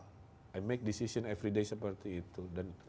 saya membuat keputusan setiap hari seperti itu